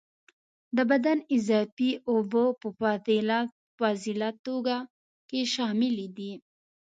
د بدن اضافي اوبه په فاضله توکو کې شاملي دي.